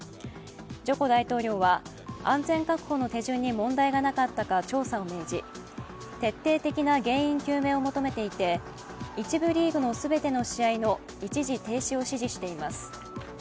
ジョコ大統領は、安全確保の手順に問題がなかったか調査を命じ徹底的な原因究明を求めていて、１部リーグの全ての試合の一時停止を指示しています。